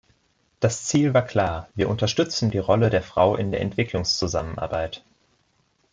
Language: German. Das Ziel war klar, wir unterstützen die Rolle der Frau in der Entwicklungszusammenarbeit.